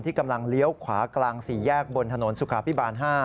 กำลังเลี้ยวขวากลาง๔แยกบนถนนสุขาพิบาล๕